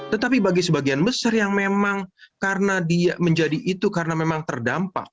tetapi bagi sebagian besar yang memang karena dia menjadi itu karena memang terdampak